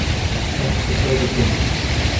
Ez tika dikim.